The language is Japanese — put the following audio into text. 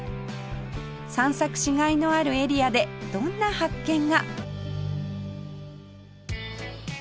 散策しがいのあるエリアでどんな発見が？